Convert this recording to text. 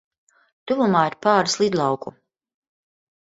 Tuvumā ir pāris lidlauku.